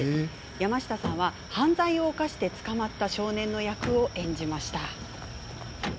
山下さんは犯罪を犯して捕まった少年の役を演じました。